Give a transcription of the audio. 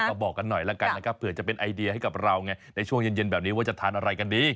ก็บอกกันหน่อยแล้วกันนะครับเผื่อจะเป็นไอเดียให้กับเราไงในช่วงเย็นแบบนี้ว่าจะทานอะไรกันดี